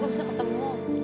ya udah asshole kita ke om